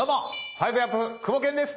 ５ＧＡＰクボケンです！